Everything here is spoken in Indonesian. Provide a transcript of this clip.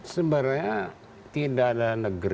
sebenarnya tidak mungkin